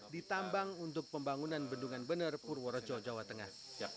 ditambang untuk pembangunan bendungan bener purworejo jawa tengah